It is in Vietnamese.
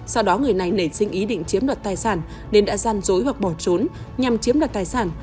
sau đó người này nảy sinh ý định chiếm đoạt tài sản nên đã gian dối hoặc bỏ trốn nhằm chiếm đoạt tài sản